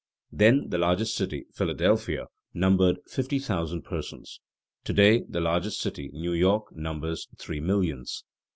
Then the largest city (Philadelphia) numbered fifty thousand persons; to day the largest city (New York) numbers three millions.